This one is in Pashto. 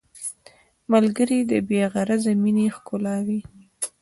ملګری د بې غرضه مینې ښکلا وي